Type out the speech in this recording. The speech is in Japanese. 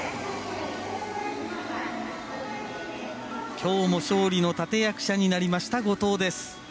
きょうの勝利の立て役者になりました、後藤です。